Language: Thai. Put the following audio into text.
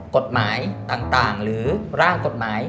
กฎหมายต่างหรือร่างกฎหมาย